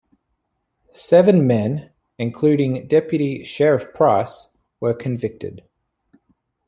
Seven men, including Deputy Sheriff Price, were convicted.